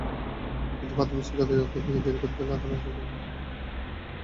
কিন্তু প্রাথমিক শিক্ষা অধিদপ্তর করতে দেরি করে ফেলায় আদালত সেটি গ্রহণ করেননি।